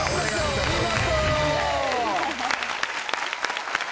お見事！